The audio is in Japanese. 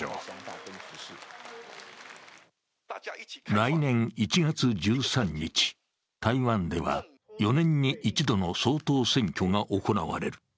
来年１月１３日、台湾では４年に一度の総統選挙が行われる。